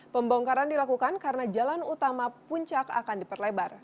pembongkaran dilakukan karena jalan utama puncak akan diperlebar